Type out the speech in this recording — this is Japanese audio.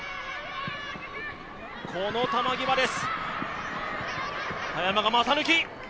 この球際です。